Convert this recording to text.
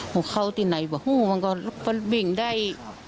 หัวเข้าที่ไหนบ่มันก็บิ่งได้